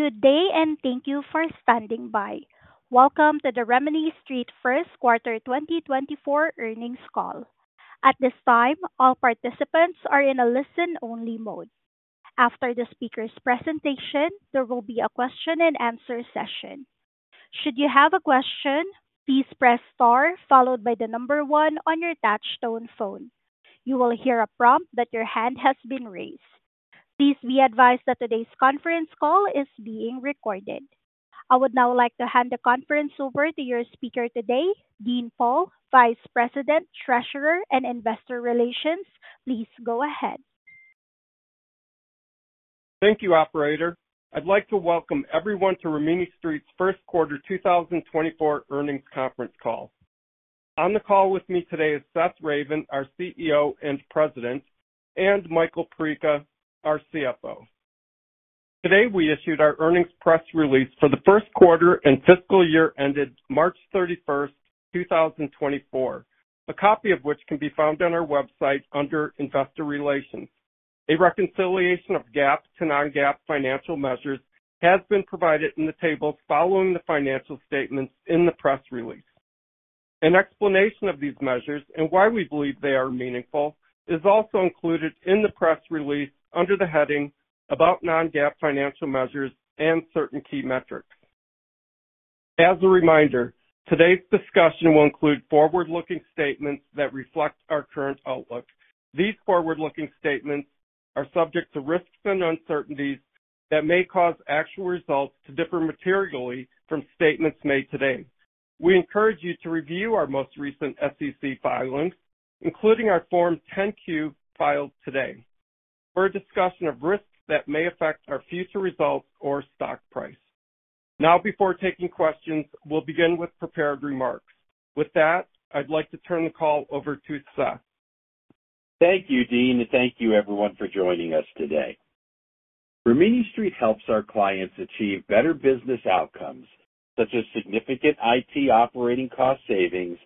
Good day, and thank you for standing by. Welcome to the Rimini Street First Quarter 2024 Earnings Call. At this time, all participants are in a listen-only mode. After the speaker's presentation, there will be a question-and-answer session. Should you have a question, please press Star followed by the number 1 on your touchtone phone. You will hear a prompt that your hand has been raised. Please be advised that today's conference call is being recorded. I would now like to hand the conference over to your speaker today, Dean Pohl, Vice President, Treasurer, and Investor Relations. Please go ahead. Thank you, operator. I'd like to welcome everyone to Rimini Street's first quarter 2024 earnings conference call. On the call with me today is Seth Ravin, our CEO and President, and Michael Perica, our CFO. Today, we issued our earnings press release for the first quarter and fiscal year ended March 31, 2024. A copy of which can be found on our website under Investor Relations. A reconciliation of GAAP to non-GAAP financial measures has been provided in the table following the financial statements in the press release. An explanation of these measures and why we believe they are meaningful is also included in the press release under the heading About Non-GAAP Financial Measures and Certain Key Metrics. As a reminder, today's discussion will include forward-looking statements that reflect our current outlook. These forward-looking statements are subject to risks and uncertainties that may cause actual results to differ materially from statements made today. We encourage you to review our most recent SEC filings, including our Form 10-Q filed today, for a discussion of risks that may affect our future results or stock price. Now, before taking questions, we'll begin with prepared remarks. With that, I'd like to turn the call over to Seth. Thank you, Dean, and thank you everyone for joining us today. Rimini Street helps our clients achieve better business outcomes, such as significant IT operating cost savings,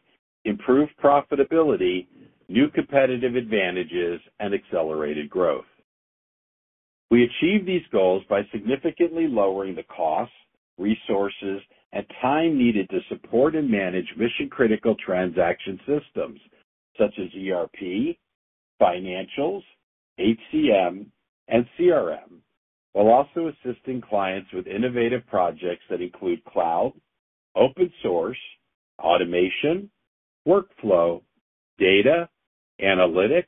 improved profitability, new competitive advantages, and accelerated growth. We achieve these goals by significantly lowering the costs, resources, and time needed to support and manage mission-critical transaction systems such as ERP, financials, HCM, and CRM, while also assisting clients with innovative projects that include cloud, open source, automation, workflow, data, analytics,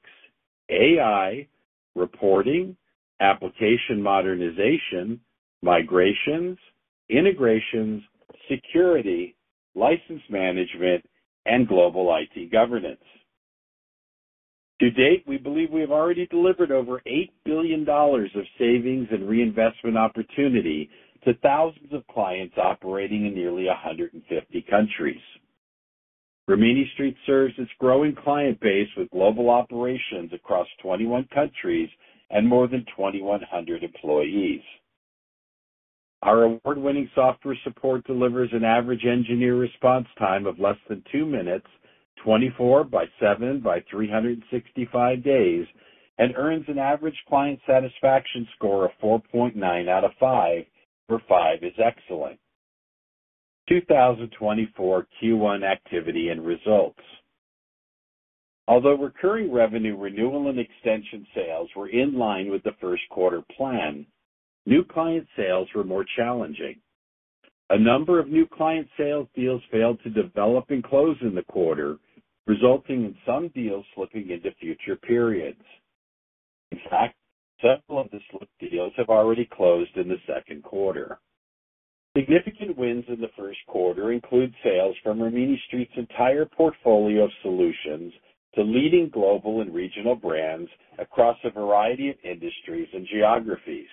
AI, reporting, application modernization, migrations, integrations, security, license management, and global IT governance. To date, we believe we have already delivered over $8 billion of savings and reinvestment opportunity to thousands of clients operating in nearly 150 countries. Rimini Street serves its growing client base with global operations across 21 countries and more than 2,100 employees. Our award-winning software support delivers an average engineer response time of less than 2 minutes, 24 by 7 by 365 days, and earns an average client satisfaction score of 4.9 out of 5, where 5 is excellent. 2024 Q1 activity and results. Although recurring revenue, renewal, and extension sales were in line with the first quarter plan, new client sales were more challenging. A number of new client sales deals failed to develop and close in the quarter, resulting in some deals slipping into future periods. In fact, several of the slipped deals have already closed in the second quarter. Significant wins in the first quarter include sales from Rimini Street's entire portfolio of solutions to leading global and regional brands across a variety of industries and geographies.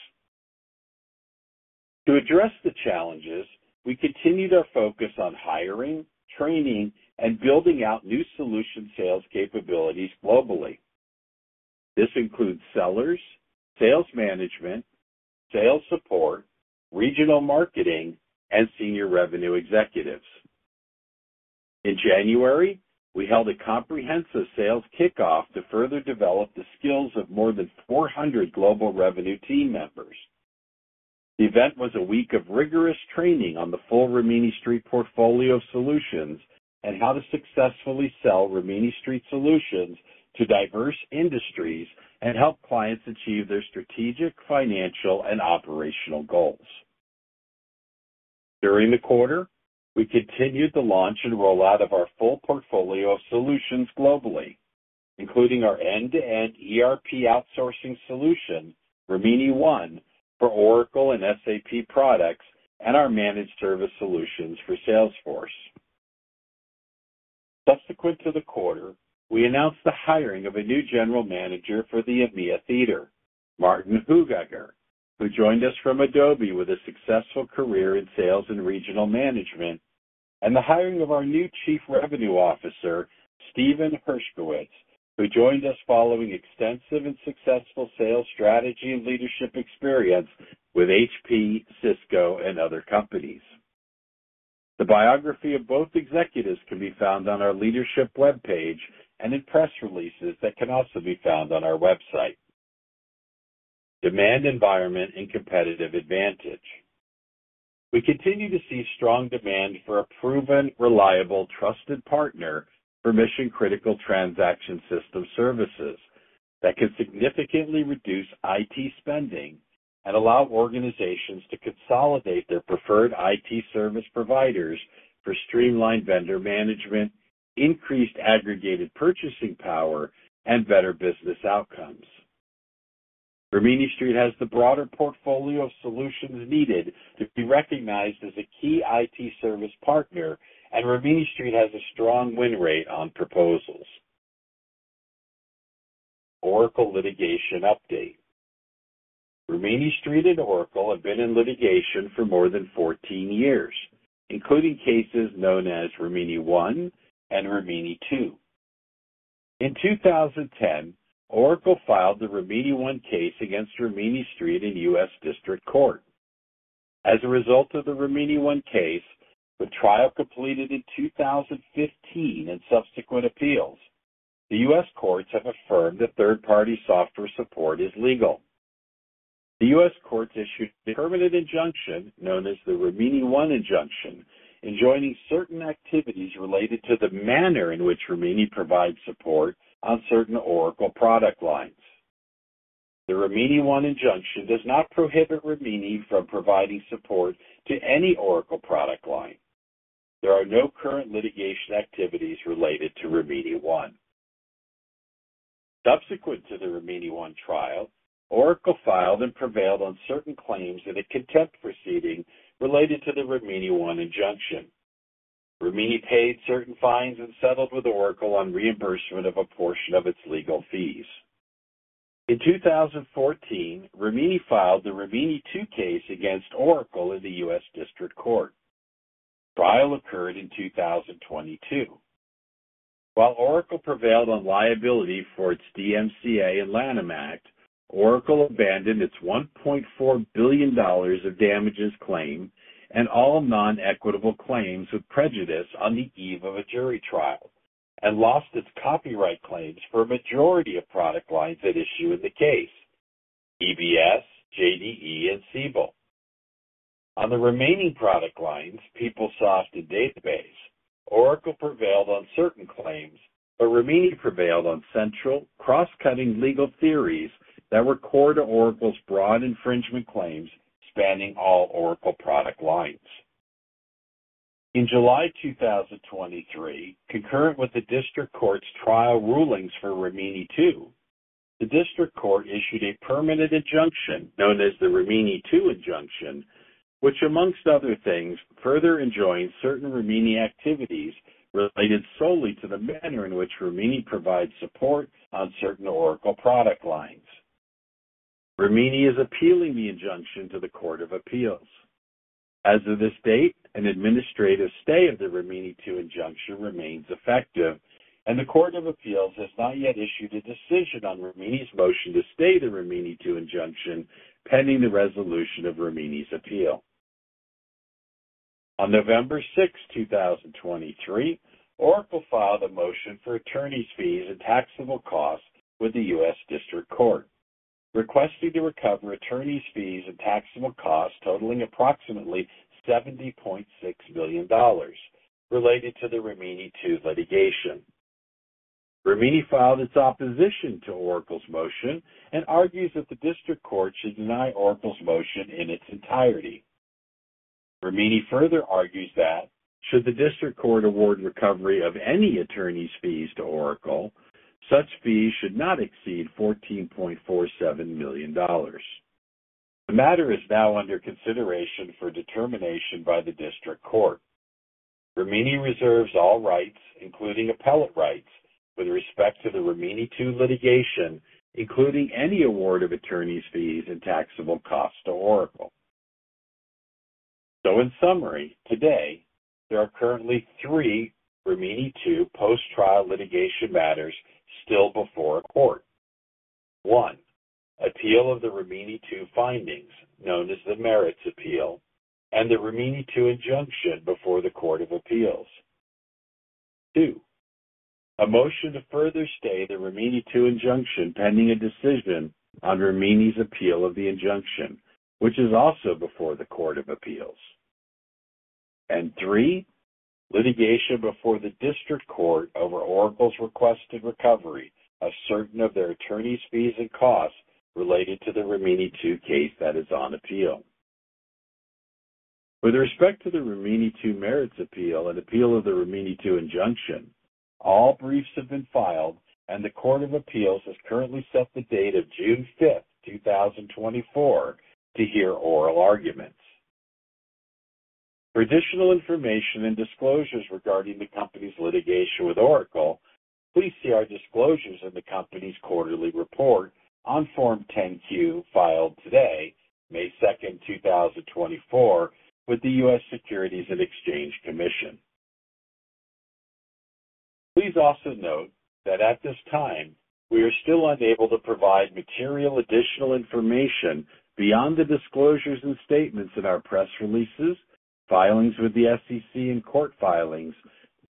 To address the challenges, we continued our focus on hiring, training, and building out new solution sales capabilities globally. This includes sellers, sales management, sales support, regional marketing, and senior revenue executives. In January, we held a comprehensive sales kickoff to further develop the skills of more than 400 global revenue team members. The event was a week of rigorous training on the full Rimini Street portfolio of solutions and how to successfully sell Rimini Street solutions to diverse industries and help clients achieve their strategic, financial, and operational goals. During the quarter, we continued the launch and rollout of our full portfolio of solutions globally, including our end-to-end ERP outsourcing solution, Rimini ONE, for Oracle and SAP products, and our managed service solutions for Salesforce. Subsequent to the quarter, we announced the hiring of a new general manager for the EMEA theater, Martyn Hoogakker, who joined us from Adobe with a successful career in sales and regional management, and the hiring of our new Chief Revenue Officer, Steven Hershkowitz, who joined us following extensive and successful sales strategy and leadership experience with HP, Cisco, and other companies. The biography of both executives can be found on our leadership webpage and in press releases that can also be found on our website. Demand environment and competitive advantage. We continue to see strong demand for a proven, reliable, trusted partner for mission-critical transaction system services that can significantly reduce IT spending and allow organizations to consolidate their preferred IT service providers for streamlined vendor management, increased aggregated purchasing power, and better business outcomes. Rimini Street has the broader portfolio of solutions needed to be recognized as a key IT service partner, and Rimini Street has a strong win rate on proposals. Oracle litigation update. Rimini Street and Oracle have been in litigation for more than 14 years, including cases known as Rimini One and Rimini Two. In 2010, Oracle filed the Rimini One case against Rimini Street in U.S. District Court. As a result of the Rimini One case, the trial completed in 2015 and subsequent appeals. The U.S. courts have affirmed that third-party software support is legal. The U.S. courts issued a permanent injunction, known as the Rimini One injunction, enjoining certain activities related to the manner in which Rimini provides support on certain Oracle product lines. The Rimini One injunction does not prohibit Rimini from providing support to any Oracle product line. There are no current litigation activities related to Rimini One. Subsequent to the Rimini One trial, Oracle filed and prevailed on certain claims in a contempt proceeding related to the Rimini One injunction. Rimini paid certain fines and settled with Oracle on reimbursement of a portion of its legal fees. In 2014, Rimini filed the Rimini Two case against Oracle in the U.S. District Court. Trial occurred in 2022. While Oracle prevailed on liability for its DMCA and Lanham Act, Oracle abandoned its $1.4 billion of damages claim and all non-equitable claims with prejudice on the eve of a jury trial, and lost its copyright claims for a majority of product lines at issue in the case, EBS, JDE, and Siebel. On the remaining product lines, PeopleSoft and Database, Oracle prevailed on certain claims, but Rimini prevailed on central cross-cutting legal theories that were core to Oracle's broad infringement claims, spanning all Oracle product lines. In July 2023, concurrent with the District Court's trial rulings for Rimini Two, the District Court issued a permanent injunction, known as the Rimini Two injunction, which, among other things, further enjoins certain Rimini activities related solely to the manner in which Rimini provides support on certain Oracle product lines. Rimini is appealing the injunction to the Court of Appeals. As of this date, an administrative stay of the Rimini Two injunction remains effective, and the Court of Appeals has not yet issued a decision on Rimini's motion to stay the Rimini Two injunction, pending the resolution of Rimini's appeal. On November 6, 2023, Oracle filed a motion for attorney's fees and taxable costs with the U.S. District Court, requesting to recover attorney's fees and taxable costs totaling approximately $70.6 million related to the Rimini Two litigation. Rimini filed its opposition to Oracle's motion and argues that the District Court should deny Oracle's motion in its entirety. Rimini further argues that should the District Court award recovery of any attorney's fees to Oracle, such fees should not exceed $14.47 million. The matter is now under consideration for determination by the District Court. Rimini reserves all rights, including appellate rights, with respect to the Rimini Two litigation, including any award of attorney's fees and taxable costs to Oracle. So in summary, today, there are currently three Rimini Two post-trial litigation matters still before a court. 1, appeal of the Rimini Two findings, known as the merits appeal, and the Rimini Two injunction before the Court of Appeals. 2, a motion to further stay the Rimini Two injunction, pending a decision on Rimini's appeal of the injunction, which is also before the Court of Appeals. And 3, litigation before the District Court over Oracle's requested recovery of certain of their attorney's fees and costs related to the Rimini Two case that is on appeal. With respect to the Rimini Two merits appeal and appeal of the Rimini Two injunction, all briefs have been filed, and the Court of Appeals has currently set the date of June 5th, 2024, to hear oral arguments. For additional information and disclosures regarding the company's litigation with Oracle, please see our disclosures in the company's quarterly report on Form 10-Q, filed today, May 2, 2024, with the U.S. Securities and Exchange Commission. Please also note that at this time, we are still unable to provide material additional information beyond the disclosures and statements in our press releases, filings with the SEC and court filings,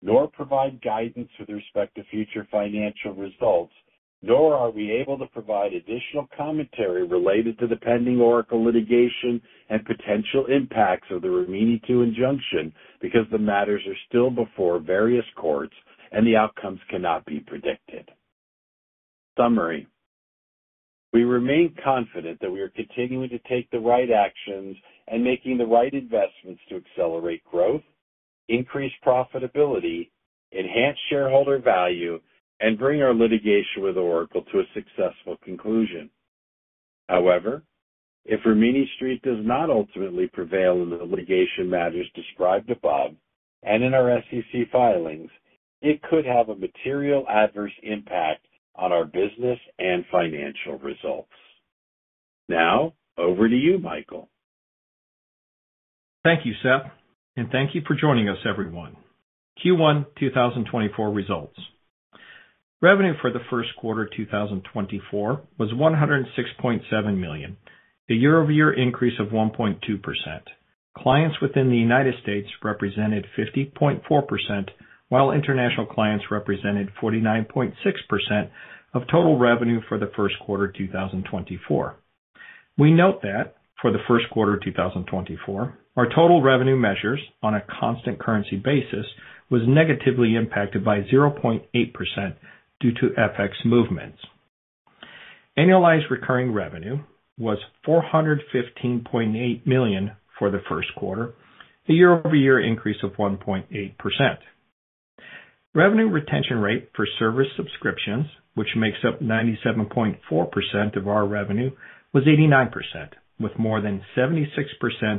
nor provide guidance with respect to future financial results, nor are we able to provide additional commentary related to the pending Oracle litigation and potential impacts of the Rimini Two injunction, because the matters are still before various courts and the outcomes cannot be predicted. Summary. We remain confident that we are continuing to take the right actions and making the right investments to accelerate growth, increase profitability, enhance shareholder value, and bring our litigation with Oracle to a successful conclusion. However, if Rimini Street does not ultimately prevail in the litigation matters described above and in our SEC filings, it could have a material adverse impact on our business and financial results. Now, over to you, Michael. Thank you, Seth, and thank you for joining us, everyone. Q1 2024 results. Revenue for the first quarter of 2024 was $106.7 million, a year-over-year increase of 1.2%. Clients within the United States represented 50.4%, while international clients represented 49.6% of total revenue for the first quarter of 2024. We note that for the first quarter of 2024, our total revenue measures on a constant currency basis was negatively impacted by 0.8% due to FX movements. Annualized recurring revenue was $415.8 million for the first quarter, a year-over-year increase of 1.8%. Revenue retention rate for service subscriptions, which makes up 97.4% of our revenue, was 89%, with more than 76%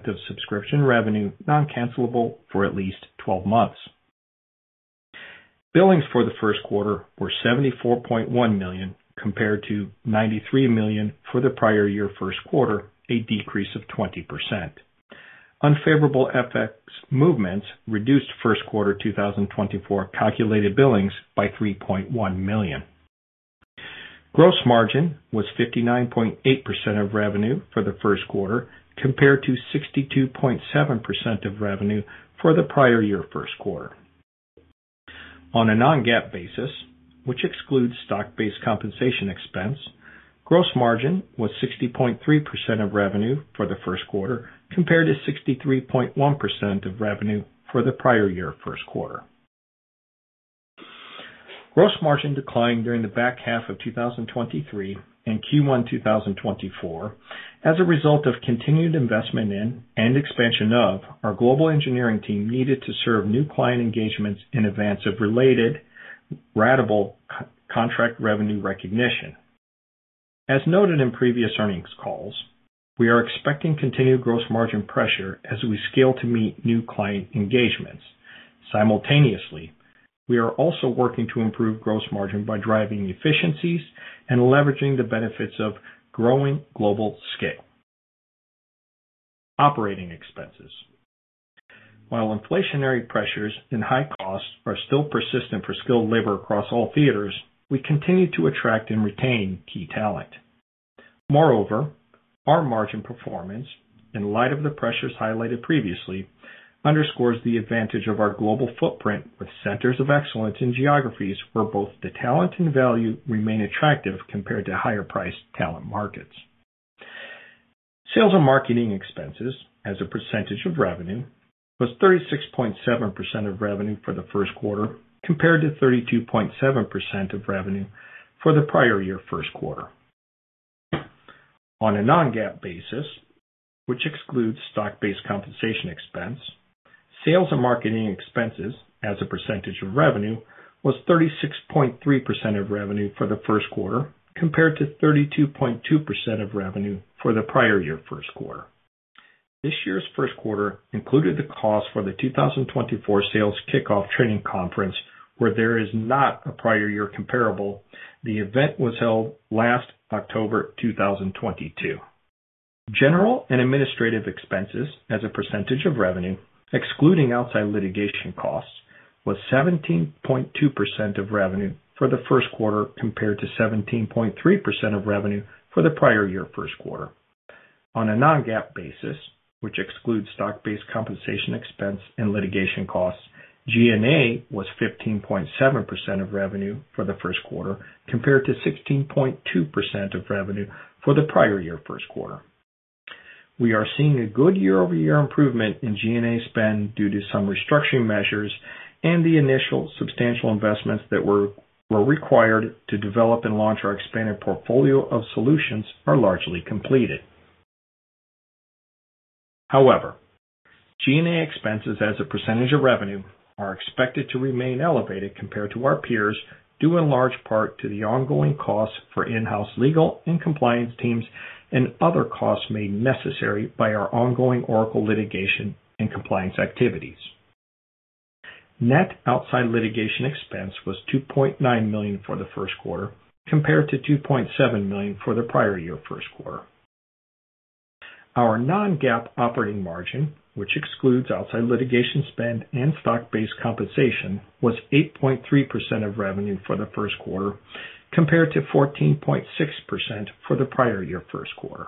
of subscription revenue non-cancellable for at least twelve months. Billings for the first quarter were $74.1 million compared to $93 million for the prior year first quarter, a decrease of 20%. Unfavorable FX movements reduced first quarter 2024 calculated billings by $3.1 million. Gross margin was 59.8% of revenue for the first quarter, compared to 62.7% of revenue for the prior year first quarter. On a non-GAAP basis, which excludes stock-based compensation expense, gross margin was 60.3% of revenue for the first quarter, compared to 63.1% of revenue for the prior year first quarter. Gross margin declined during the back half of 2023 and Q1 2024 as a result of continued investment in and expansion of our global engineering team needed to serve new client engagements in advance of related ratable contract revenue recognition. As noted in previous earnings calls, we are expecting continued gross margin pressure as we scale to meet new client engagements. Simultaneously, we are also working to improve gross margin by driving efficiencies and leveraging the benefits of growing global scale. Operating expenses. While inflationary pressures and high costs are still persistent for skilled labor across all theaters, we continue to attract and retain key talent. Moreover, our margin performance, in light of the pressures highlighted previously, underscores the advantage of our global footprint, with centers of excellence in geographies where both the talent and value remain attractive compared to higher priced talent markets. Sales and marketing expenses as a percentage of revenue was 36.7% of revenue for the first quarter, compared to 32.7% of revenue for the prior year first quarter. On a non-GAAP basis, which excludes stock-based compensation expense, sales and marketing expenses as a percentage of revenue was 36.3% of revenue for the first quarter, compared to 32.2% of revenue for the prior year first quarter. This year's first quarter included the cost for the 2024 sales kickoff training conference, where there is not a prior year comparable. The event was held last October 2022. General and administrative expenses as a percentage of revenue, excluding outside litigation costs, was 17.2% of revenue for the first quarter, compared to 17.3% of revenue for the prior year first quarter. On a non-GAAP basis, which excludes stock-based compensation expense and litigation costs, GNA was 15.7% of revenue for the first quarter, compared to 16.2% of revenue for the prior year first quarter. We are seeing a good year-over-year improvement in GNA spend due to some restructuring measures and the initial substantial investments that were required to develop and launch our expanded portfolio of solutions are largely completed. However, GNA expenses as a percentage of revenue are expected to remain elevated compared to our peers, due in large part to the ongoing costs for in-house legal and compliance teams and other costs made necessary by our ongoing Oracle litigation and compliance activities. Net outside litigation expense was $2.9 million for the first quarter, compared to $2.7 million for the prior year first quarter. Our non-GAAP operating margin, which excludes outside litigation spend and stock-based compensation, was 8.3% of revenue for the first quarter, compared to 14.6% for the prior year first quarter.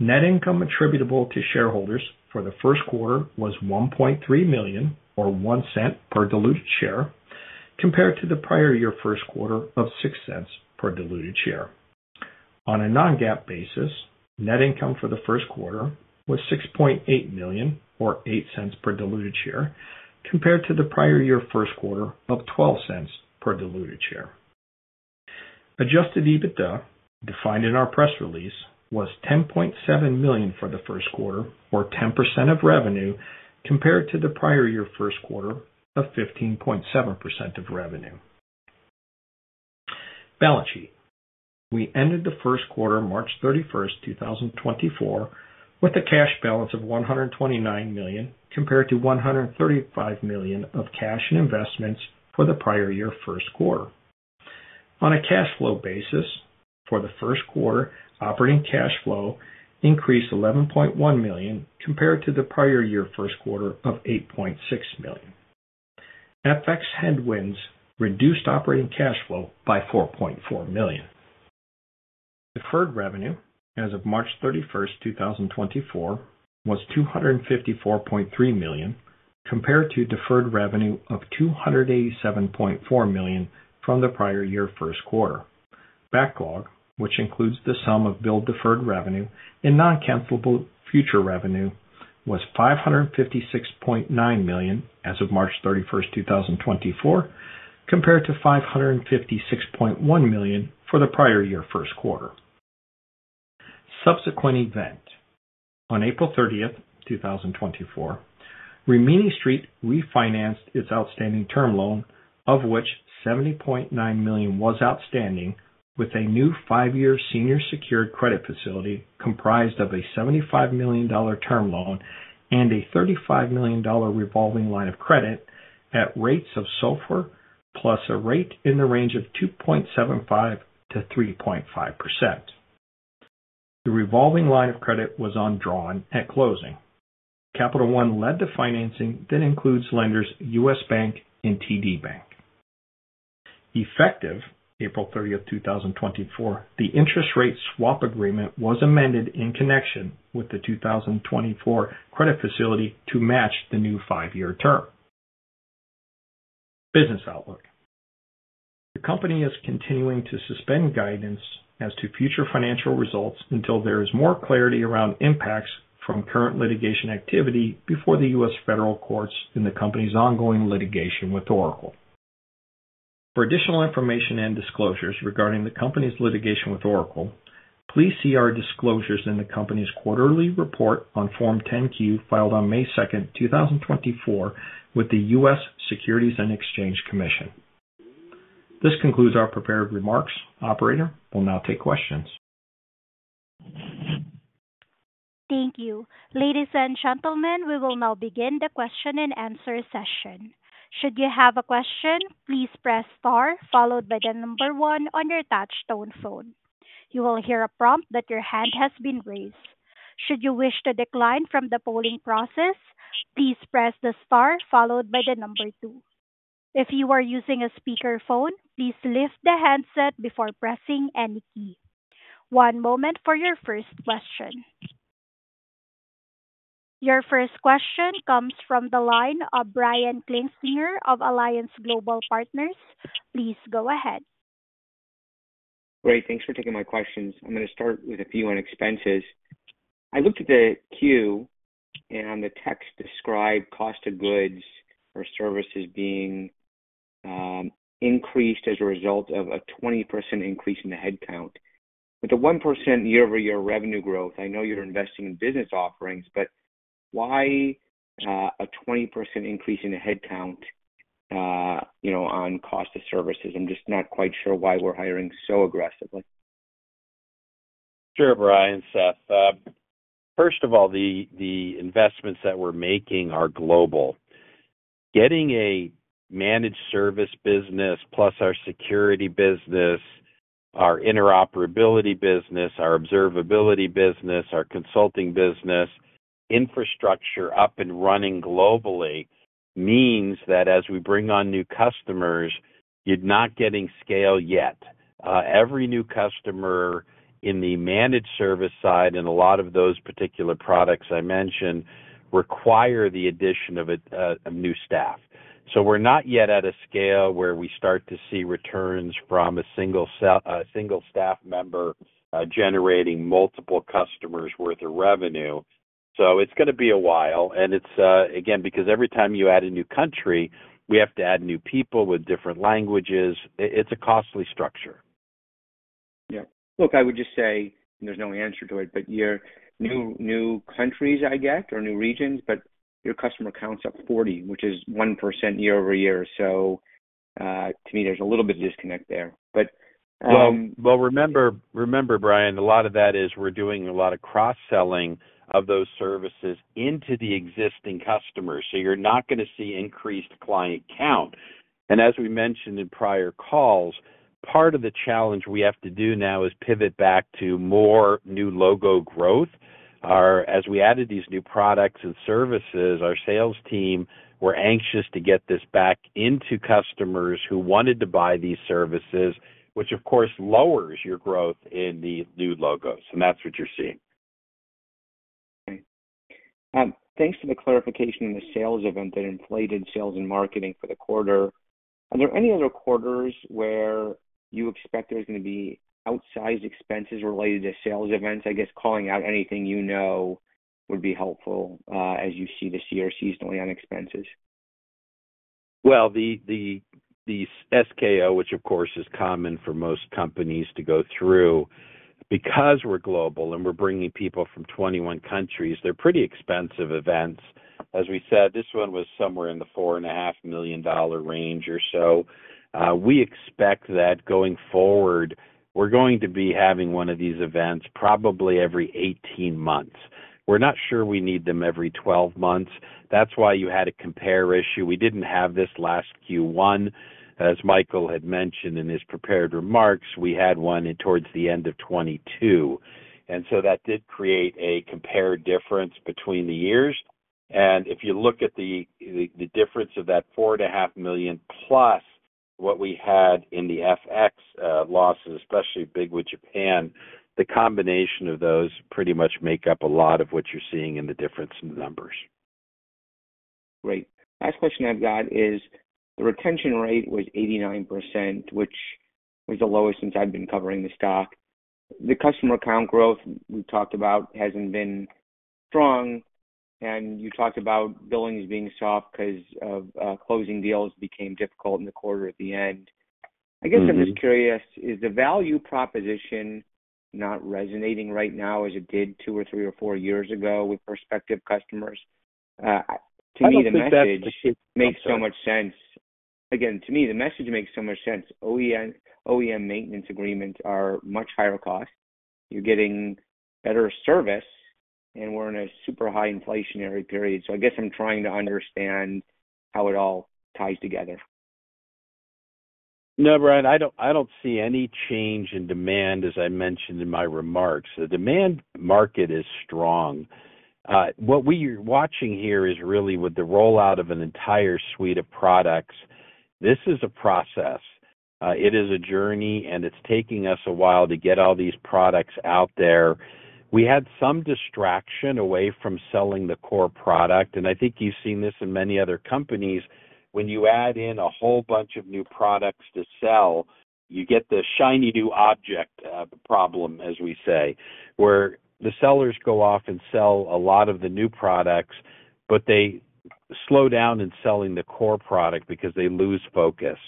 Net income attributable to shareholders for the first quarter was $1.3 million, or $0.01 per diluted share, compared to the prior year first quarter of $0.06 per diluted share. On a non-GAAP basis, net income for the first quarter was $6.8 million, or $0.08 per diluted share, compared to the prior year first quarter of $0.12 per diluted share. Adjusted EBITDA, defined in our press release, was $10.7 million for the first quarter, or 10% of revenue, compared to the prior year first quarter of 15.7% of revenue. Balance sheet. We ended the first quarter, March 31, 2024, with a cash balance of $129 million, compared to $135 million of cash and investments for the prior year first quarter. On a cash flow basis, for the first quarter, operating cash flow increased $11.1 million, compared to the prior year first quarter of $8.6 million. FX headwinds reduced operating cash flow by $4.4 million. Deferred revenue as of March 31, 2024, was $254.3 million, compared to deferred revenue of $287.4 million from the prior year first quarter. Backlog, which includes the sum of billed deferred revenue and non-cancelable future revenue, was $556.9 million as of March 31, 2024, compared to $556.1 million for the prior year first quarter. Subsequent event. On April 30, 2024, Rimini Street refinanced its outstanding term loan, of which $70.9 million was outstanding, with a new 5-year senior secured credit facility comprised of a $75 million term loan and a $35 million revolving line of credit at rates of SOFR plus a rate in the range of 2.75%-3.5%. The revolving line of credit was undrawn at closing. Capital One led the financing that includes lenders US Bank and TD Bank. Effective April 30, 2024, the interest rate swap agreement was amended in connection with the 2024 credit facility to match the new 5-year term. Business outlook. The company is continuing to suspend guidance as to future financial results until there is more clarity around impacts from current litigation activity before the U.S. federal courts in the company's ongoing litigation with Oracle. For additional information and disclosures regarding the company's litigation with Oracle, please see our disclosures in the company's quarterly report on Form 10-Q, filed on May 2, 2024, with the U.S. Securities and Exchange Commission. This concludes our prepared remarks. Operator, we'll now take questions. Thank you. Ladies and gentlemen, we will now begin the question-and-answer session. Should you have a question, please press star followed by the number one on your touch tone phone. You will hear a prompt that your hand has been raised. Should you wish to decline from the polling process, please press the star followed by the number two. If you are using a speakerphone, please lift the handset before pressing any key. One moment for your first question. Your first question comes from the line of Kinstlinger of Alliance Global Partners. Please go ahead. Great. Thanks for taking my questions. I'm gonna start with a few on expenses. I looked at the queue, and the text described cost of goods or services being, increased as a result of a 20% increase in the headcount. With the 1% year-over-year revenue growth, I know you're investing in business offerings, but why, a 20% increase in the headcount, you know, on cost of services? I'm just not quite sure why we're hiring so aggressively. Sure, Brian, Seth. First of all, the investments that we're making are global. Getting a managed service business plus our security business, our interoperability business, our observability business, our consulting business, infrastructure up and running globally means that as we bring on new customers, you're not getting scale yet. Every new customer in the managed service side, and a lot of those particular products I mentioned, require the addition of a new staff. So we're not yet at a scale where we start to see returns from a single staff member generating multiple customers worth of revenue. So it's gonna be a while, and it's again, because every time you add a new country, we have to add new people with different languages. It's a costly structure. Yeah. Look, I would just say, there's no answer to it, but your new, new countries, I get, or new regions, but your customer count's up 40, which is 1% year-over-year. So, to me, there's a little bit of disconnect there, but, Well, remember, Brian, a lot of that is we're doing a lot of cross-selling of those services into the existing customers, so you're not gonna see increased client count.... as we mentioned in prior calls, part of the challenge we have to do now is pivot back to more new logo growth. As we added these new products and services, our sales team were anxious to get this back into customers who wanted to buy these services, which of course, lowers your growth in the new logos, and that's what you're seeing. Thanks for the clarification in the sales event that inflated sales and marketing for the quarter. Are there any other quarters where you expect there's going to be outsized expenses related to sales events? I guess calling out anything you know would be helpful, as you see this year seasonally on expenses. Well, the SKO, which of course, is common for most companies to go through. Because we're global and we're bringing people from 21 countries, they're pretty expensive events. As we said, this one was somewhere in the $4.5 million range or so. We expect that going forward, we're going to be having one of these events probably every 18 months. We're not sure we need them every 12 months. That's why you had a compare issue. We didn't have this last Q1. As Michael had mentioned in his prepared remarks, we had one towards the end of 2022, and so that did create a compare difference between the years. If you look at the difference of that $4.5 million, plus what we had in the FX losses, especially big with Japan, the combination of those pretty much make up a lot of what you're seeing in the difference in the numbers. Great. Last question I've got is, the retention rate was 89%, which was the lowest since I've been covering the stock. The customer account growth we talked about hasn't been strong, and you talked about billings being soft because of closing deals became difficult in the quarter at the end. Mm-hmm. I guess I'm just curious, is the value proposition not resonating right now as it did two or three or four years ago with prospective customers? To me, the message- I don't think that's the case. Makes so much sense. Again, to me, the message makes so much sense. OEM, OEM maintenance agreements are much higher cost. You're getting better service, and we're in a super high inflationary period. So I guess I'm trying to understand how it all ties together. No, Brian, I don't, I don't see any change in demand as I mentioned in my remarks. The demand market is strong. What we are watching here is really with the rollout of an entire suite of products. This is a process. It is a journey, and it's taking us a while to get all these products out there. We had some distraction away from selling the core product, and I think you've seen this in many other companies. When you add in a whole bunch of new products to sell, you get the shiny new object, problem, as we say, where the sellers go off and sell a lot of the new products, but they slow down in selling the core product because they lose focus.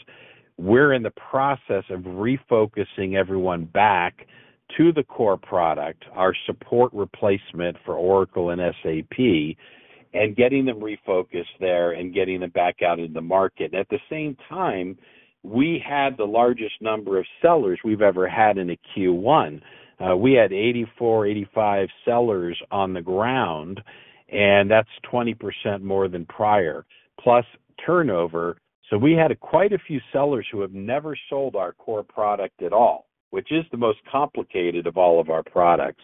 We're in the process of refocusing everyone back to the core product, our support replacement for Oracle and SAP, and getting them refocused there and getting them back out in the market. At the same time, we had the largest number of sellers we've ever had in a Q1. We had 84, 85 sellers on the ground, and that's 20% more than prior, plus turnover. So we had quite a few sellers who have never sold our core product at all, which is the most complicated of all of our products.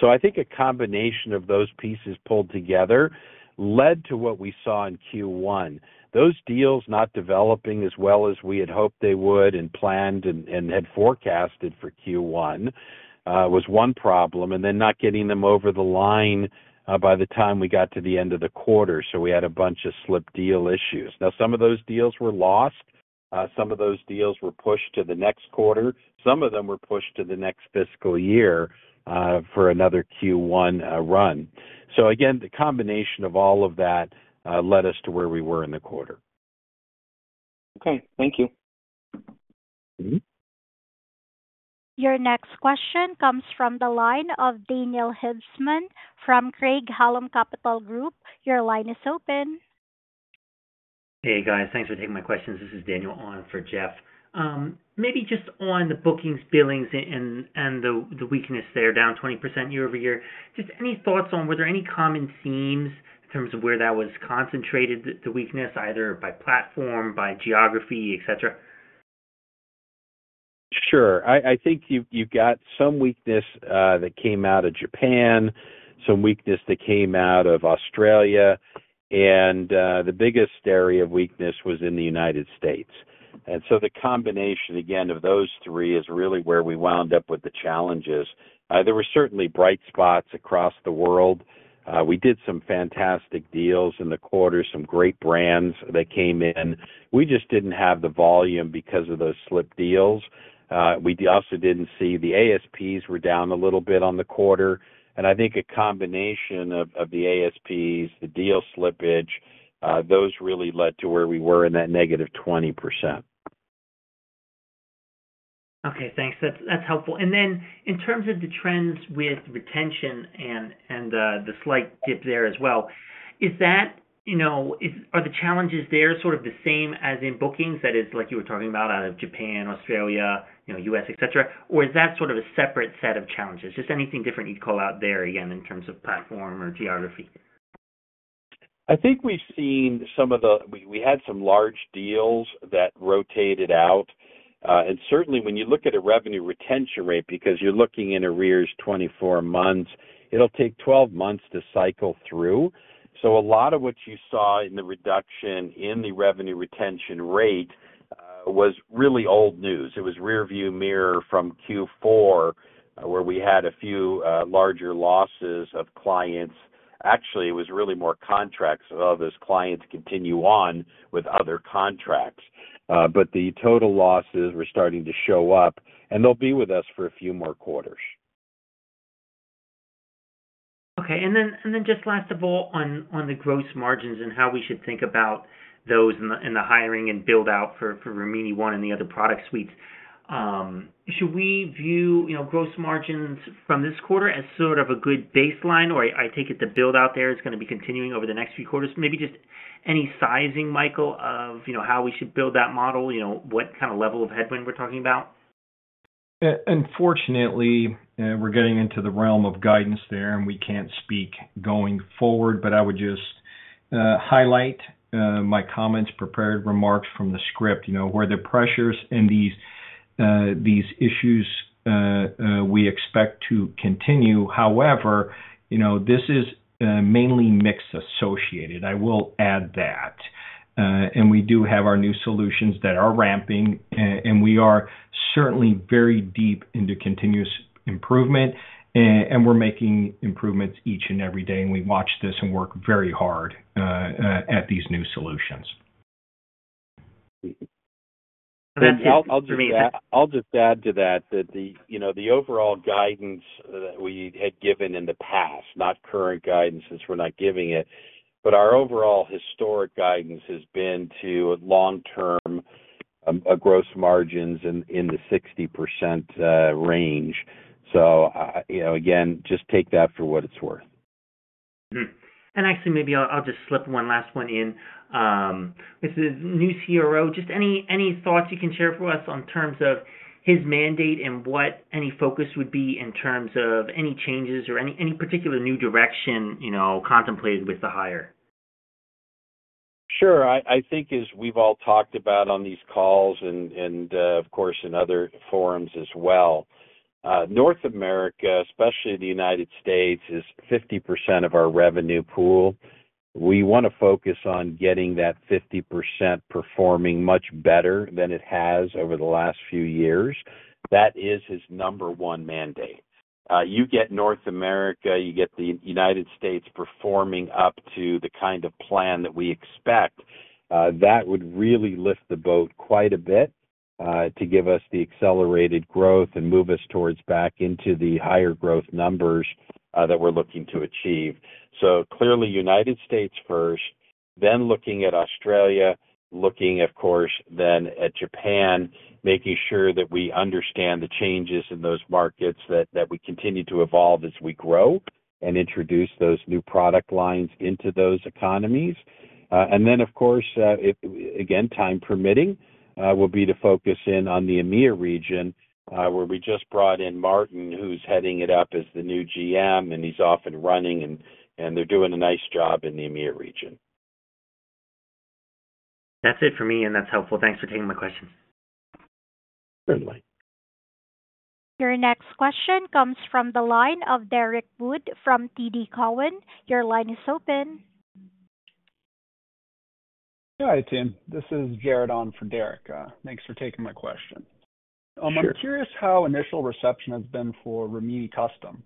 So I think a combination of those pieces pulled together led to what we saw in Q1. Those deals not developing as well as we had hoped they would and planned and had forecasted for Q1 was one problem, and then not getting them over the line by the time we got to the end of the quarter. So we had a bunch of slip deal issues. Now, some of those deals were lost, some of those deals were pushed to the next quarter, some of them were pushed to the next fiscal year for another Q1 run. So again, the combination of all of that led us to where we were in the quarter. Okay, thank you. Mm-hmm. Your next question comes from the line of Daniel Hibshman from Craig-Hallum Capital Group. Your line is open. Hey, guys. Thanks for taking my questions. This is Daniel on for Jeff. Maybe just on the bookings, billings and the weakness there, down 20% year-over-year. Just any thoughts on were there any common themes in terms of where that was concentrated, the weakness, either by platform, by geography, et cetera? Sure. I think you, you've got some weakness that came out of Japan, some weakness that came out of Australia, and, the biggest area of weakness was in the United States. And so the combination, again, of those three is really where we wound up with the challenges. There were certainly bright spots across the world. We did some fantastic deals in the quarter, some great brands that came in. We just didn't have the volume because of those slip deals. We also didn't see the ASPs were down a little bit on the quarter, and I think a combination of the ASPs, the deal slippage, those really led to where we were in that negative 20%. Okay, thanks. That's helpful. And then in terms of the trends with retention and the slight dip there as well, is that, you know, are the challenges there sort of the same as in bookings? That is, like you were talking about out of Japan, Australia, you know, US, et cetera, or is that sort of a separate set of challenges? Just anything different you'd call out there, again, in terms of platform or geography?... I think we've seen some of the—we, we had some large deals that rotated out. And certainly, when you look at a revenue retention rate, because you're looking in arrears 24 months, it'll take 12 months to cycle through. So a lot of what you saw in the reduction in the revenue retention rate was really old news. It was rearview mirror from Q4, where we had a few larger losses of clients. Actually, it was really more contracts, although those clients continue on with other contracts. But the total losses were starting to show up, and they'll be with us for a few more quarters. Okay, and then just last of all, on the gross margins and how we should think about those in the hiring and build-out for Rimini ONE and the other product suites. Should we view, you know, gross margins from this quarter as sort of a good baseline, or I take it the build-out there is gonna be continuing over the next few quarters? Maybe just any sizing, Michael, of, you know, how we should build that model, you know, what kind of level of headwind we're talking about? Unfortunately, we're getting into the realm of guidance there, and we can't speak going forward. But I would just highlight my comments, prepared remarks from the script, you know, where the pressures and these, these issues we expect to continue. However, you know, this is mainly mixed associated. I will add that. And we do have our new solutions that are ramping, and we are certainly very deep into continuous improvement, and we're making improvements each and every day, and we watch this and work very hard at these new solutions. That's it for me. I'll just add to that, you know, the overall guidance that we had given in the past, not current guidance, since we're not giving it, but our overall historic guidance has been to long-term gross margins in the 60% range. So, you know, again, just take that for what it's worth. Mm-hmm. And actually, maybe I'll just slip one last one in. With the new CRO, just any thoughts you can share for us in terms of his mandate and what any focus would be in terms of any changes or any particular new direction, you know, contemplated with the hire? Sure. I think as we've all talked about on these calls and, of course, in other forums as well, North America, especially the United States, is 50% of our revenue pool. We wanna focus on getting that 50% performing much better than it has over the last few years. That is his number one mandate. You get North America, you get the United States performing up to the kind of plan that we expect, that would really lift the boat quite a bit, to give us the accelerated growth and move us towards back into the higher growth numbers, that we're looking to achieve. So clearly, United States first, then looking at Australia, of course, then at Japan, making sure that we understand the changes in those markets, that we continue to evolve as we grow and introduce those new product lines into those economies. And then, of course, again, time permitting, will be to focus in on the EMEA region, where we just brought in Martyn, who's heading it up as the new GM, and he's off and running and they're doing a nice job in the EMEA region. That's it for me, and that's helpful. Thanks for taking my questions. Certainly. Your next question comes from the line of Derrick Wood from TD Cowen. Your line is open. Hi, team. This is Jared on for Derrick. Thanks for taking my question. Sure. I'm curious how initial reception has been for Rimini Custom.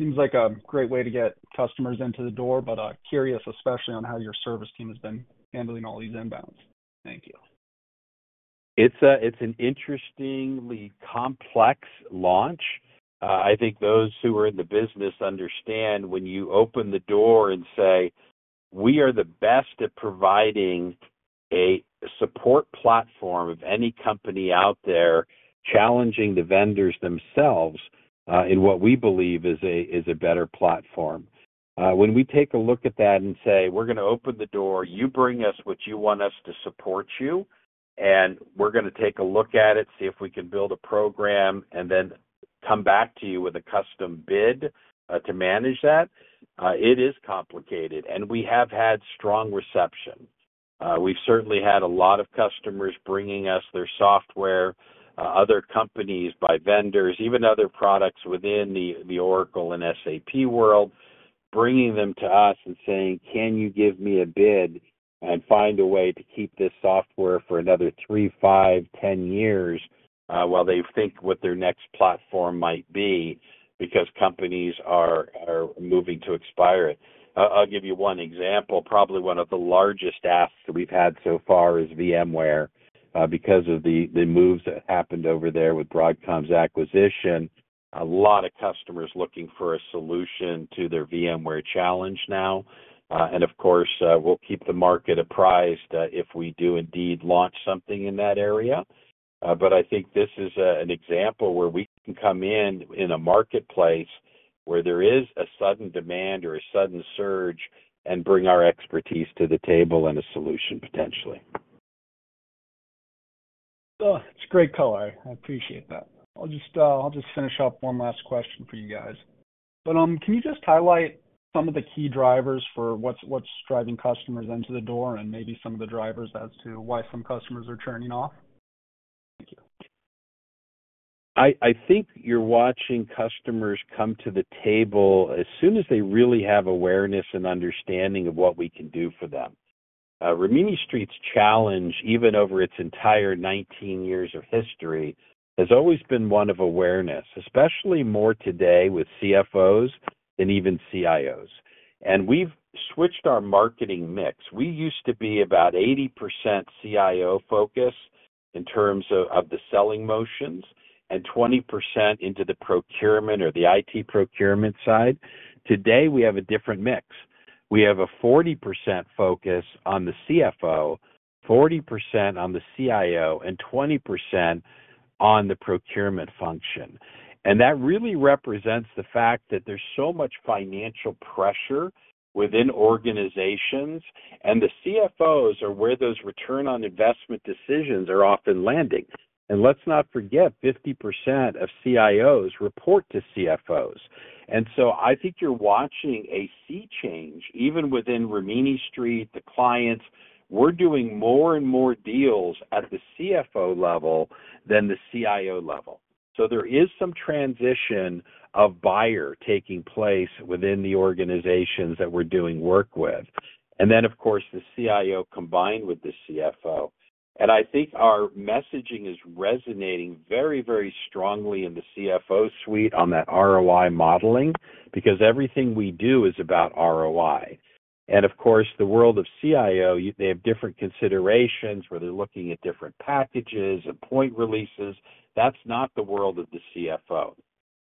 Seems like a great way to get customers into the door, but, curious, especially on how your service team has been handling all these inbounds. Thank you. It's an interestingly complex launch. I think those who are in the business understand when you open the door and say, "We are the best at providing a support platform of any company out there," challenging the vendors themselves in what we believe is a better platform. When we take a look at that and say: We're gonna open the door, you bring us what you want us to support you, and we're gonna take a look at it, see if we can build a program, and then come back to you with a custom bid to manage that, it is complicated, and we have had strong reception. We've certainly had a lot of customers bringing us their software, other companies by vendors, even other products within the Oracle and SAP world, bringing them to us and saying: Can you give me a bid and find a way to keep this software for another 3, 5, 10 years? While they think what their next platform might be because companies are moving to expire it. I'll give you one example. Probably one of the largest asks that we've had so far is VMware, because of the moves that happened over there with Broadcom's acquisition. A lot of customers looking for a solution to their VMware challenge now, and of course, we'll keep the market apprised if we do indeed launch something in that area. But I think this is an example where we can come in in a marketplace where there is a sudden demand or a sudden surge and bring our expertise to the table and a solution, potentially. Oh, it's great color. I appreciate that. I'll just finish up one last question for you guys. But, can you just highlight some of the key drivers for what's driving customers into the door and maybe some of the drivers as to why some customers are churning off? Thank you. I, I think you're watching customers come to the table as soon as they really have awareness and understanding of what we can do for them. Rimini Street's challenge, even over its entire 19 years of history, has always been one of awareness, especially more today with CFOs than even CIOs. And we've switched our marketing mix. We used to be about 80% CIO focused, in terms of, of the selling motions, and 20% into the procurement or the IT procurement side. Today, we have a different mix. We have a 40% focus on the CFO, 40% on the CIO, and 20% on the procurement function. And that really represents the fact that there's so much financial pressure within organizations, and the CFOs are where those return on investment decisions are often landing. And let's not forget, 50% of CIOs report to CFOs. I think you're watching a sea change, even within Rimini Street, the clients. We're doing more and more deals at the CFO level than the CIO level. So there is some transition of buyer taking place within the organizations that we're doing work with, and then, of course, the CIO combined with the CFO. I think our messaging is resonating very, very strongly in the CFO suite on that ROI modeling, because everything we do is about ROI. And of course, the world of CIO, they have different considerations, where they're looking at different packages and point releases. That's not the world of the CFO.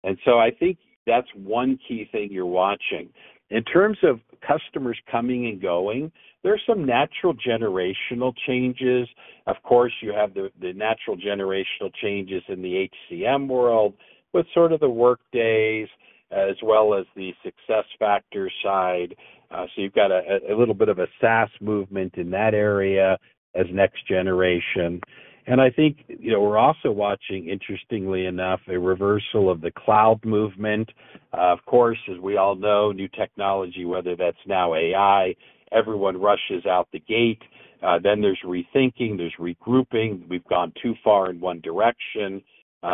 I think that's one key thing you're watching. In terms of customers coming and going, there are some natural generational changes. Of course, you have the natural generational changes in the HCM world, with sort of the Workday as well as the SuccessFactors side. So you've got a little bit of a SaaS movement in that area as next generation. And I think, you know, we're also watching, interestingly enough, a reversal of the cloud movement. Of course, as we all know, new technology, whether that's now AI, everyone rushes out the gate. Then there's rethinking, there's regrouping. We've gone too far in one direction.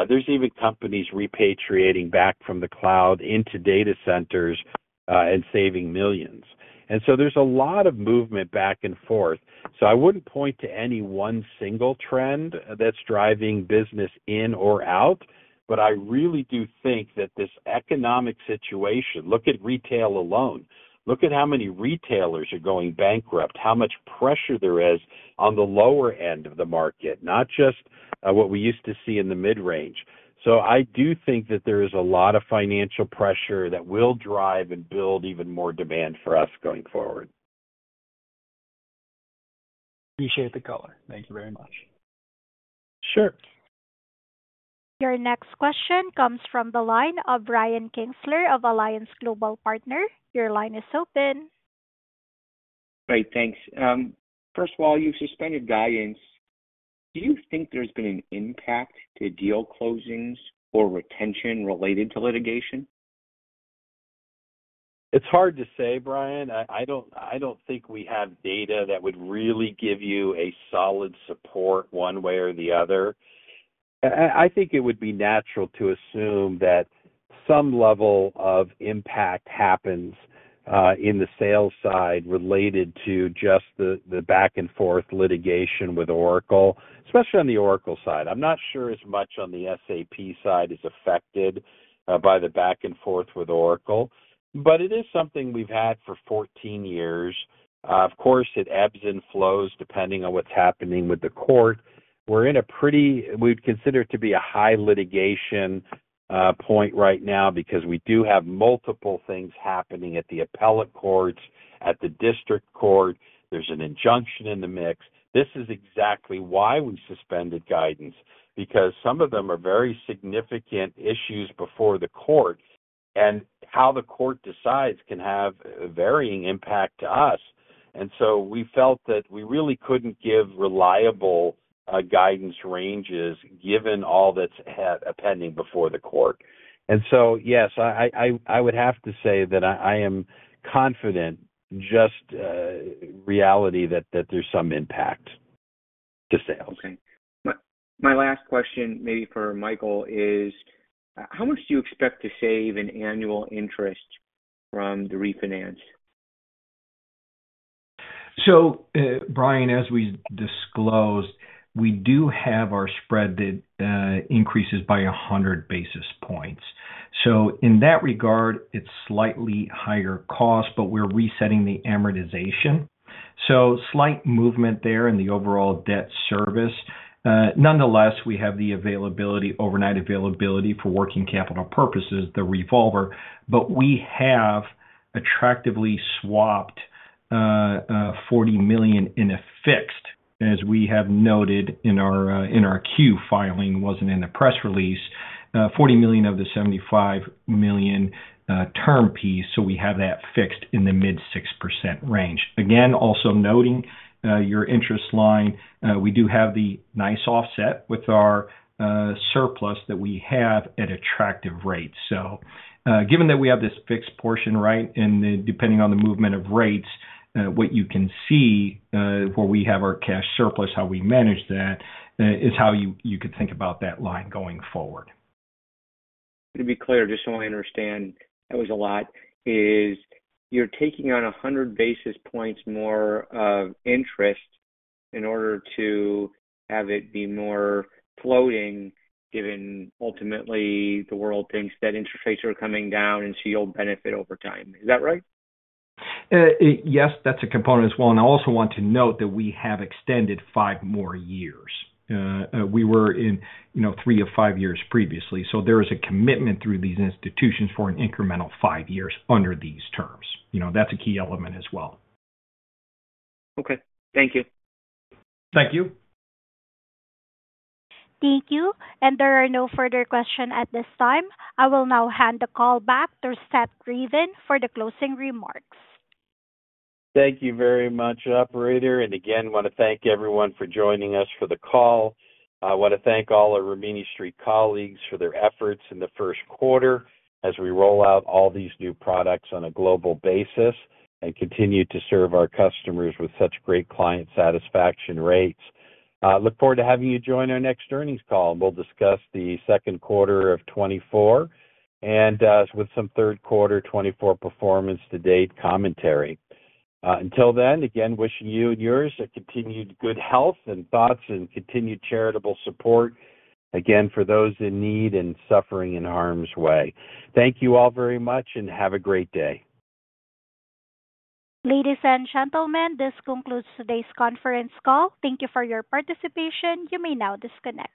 There's even companies repatriating back from the cloud into data centers, and saving millions. And so there's a lot of movement back and forth, so I wouldn't point to any one single trend that's driving business in or out. But I really do think that this economic situation... Look at retail alone. Look at how many retailers are going bankrupt, how much pressure there is on the lower end of the market, not just what we used to see in the mid-range. So I do think that there is a lot of financial pressure that will drive and build even more demand for us going forward. Appreciate the color. Thank you very much. Sure. Your next question comes from the line of Brian Kinstlinger of Alliance Global Partners. Your line is open. Great, thanks. First of all, you've suspended guidance. Do you think there's been an impact to deal closings or retention related to litigation? It's hard to say, Brian. I don't think we have data that would really give you a solid support one way or the other. I think it would be natural to assume that some level of impact happens in the sales side, related to just the back-and-forth litigation with Oracle, especially on the Oracle side. I'm not sure as much on the SAP side is affected by the back and forth with Oracle, but it is something we've had for 14 years. Of course, it ebbs and flows, depending on what's happening with the court. We're in a pretty... We'd consider it to be a high litigation point right now, because we do have multiple things happening at the appellate courts, at the district court. There's an injunction in the mix. This is exactly why we suspended guidance, because some of them are very significant issues before the court, and how the court decides can have a varying impact to us. And so we felt that we really couldn't give reliable guidance ranges, given all that's pending before the court. And so, yes, I would have to say that I am confident, just reality, that there's some impact to sales. Okay. My last question, maybe for Michael, is how much do you expect to save in annual interest from the refinance? So, Brian, as we disclosed, we do have our spread that increases by 100 basis points. So in that regard, it's slightly higher cost, but we're resetting the amortization. So slight movement there in the overall debt service. Nonetheless, we have the availability, overnight availability for working capital purposes, the revolver, but we have attractively swapped $40 million in a fixed, as we have noted in our Q filing. It wasn't in the press release. $40 million of the $75 million term piece, so we have that fixed in the mid-6% range. Again, also noting your interest line, we do have the nice offset with our surplus that we have at attractive rates. So, given that we have this fixed portion, right, and then depending on the movement of rates, what you can see, where we have our cash surplus, how we manage that, is how you could think about that line going forward. To be clear, just so I understand, that was a lot, is you're taking on 100 basis points more of interest in order to have it be more floating, given ultimately the world thinks that interest rates are coming down and so you'll benefit over time. Is that right? Yes, that's a component as well. And I also want to note that we have extended 5 more years. We were in, you know, 3-5 years previously. So there is a commitment through these institutions for an incremental 5 years under these terms. You know, that's a key element as well. Okay, thank you. Thank you. Thank you, and there are no further questions at this time. I will now hand the call back to Seth Ravin for the closing remarks. Thank you very much, operator. And again, wanna thank everyone for joining us for the call. I wanna thank all our Rimini Street colleagues for their efforts in the first quarter, as we roll out all these new products on a global basis and continue to serve our customers with such great client satisfaction rates. Look forward to having you join our next earnings call, and we'll discuss the second quarter of 2024, and with some third quarter 2024 performance to date commentary. Until then, again, wishing you and yours a continued good health and thoughts and continued charitable support, again, for those in need and suffering in harm's way. Thank you all very much, and have a great day. Ladies and gentlemen, this concludes today's conference call. Thank you for your participation. You may now disconnect.